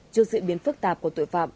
trước sự biến phức tạp của tội phạm